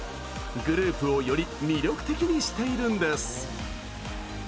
グループをより魅力的にしているんです。